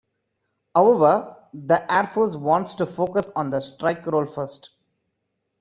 However, the Air Force wants to focus on the strike role first.